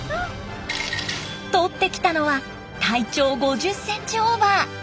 とってきたのは体長５０センチオーバー。